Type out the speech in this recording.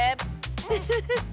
ウフフフ。